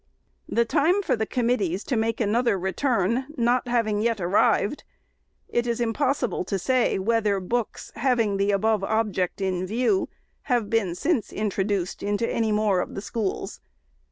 The time for the committees to make another return not having yet arrived, it is impossible to say, whether books, having the above object in view, have been since introduced into any more of the schools.